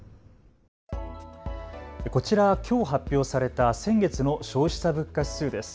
こちらはきょう発表された先月の消費者物価指数です。